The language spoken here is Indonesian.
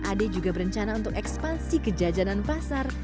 ade juga berencana untuk ekspansi kejajanan pasar